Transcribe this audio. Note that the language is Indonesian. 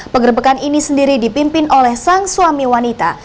penggerbekan ini sendiri dipimpin oleh sang suami wanita